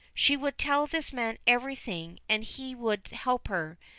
She would tell this man everything and he would help her.